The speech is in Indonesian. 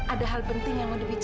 ada hal penting yang mau diberitahu